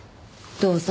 どうぞ。